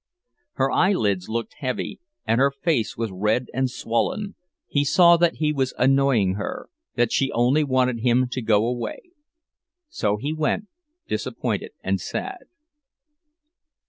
Her eyelids looked heavy and her face was red and swollen; he saw that he was annoying her, that she only wanted him to go away. So he went, disappointed and sad.